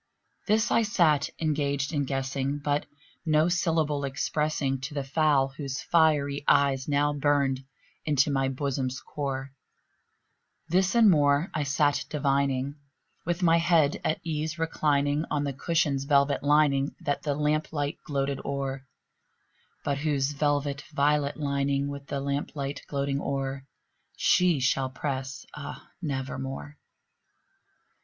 This I sat engaged in guessing, but no syllable expressing To the fowl whose fiery eyes now burned into my bosom's core; This and more I sat divining, with my head at ease reclining On the cushion's velvet lining that the lamp light gloated o'er, But whose velvet violet lining with the lamp light gloating o'er, She shall press, ah, nevermore!